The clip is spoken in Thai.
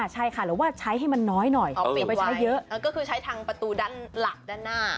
ใช่ค่ะหรือว่าใช้ให้มันน้อยหน่อยเอาปิดไปใช้เยอะก็คือใช้ทางประตูด้านหลักด้านหน้า